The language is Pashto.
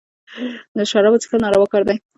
د شرابو څېښل ناروا کار دئ.